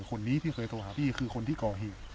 คนนี้ที่เคยโทรหาพี่คือคนที่ก่อเหตุ